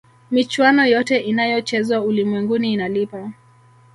michuano yote inayochezwa ulimwenguni inalipa